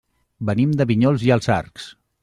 Venim de Vinyols i els Arcs.